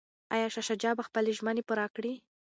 ایا شاه شجاع به خپلي ژمني پوره کړي؟